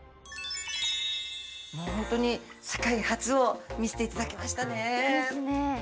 もう本当に世界初を見せていただきましたね。ですね。